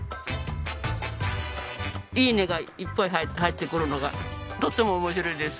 「いいね」がいっぱい入ってくるのがとっても面白いです。